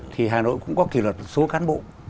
thì hà nội cũng có kỷ luật số cán bộ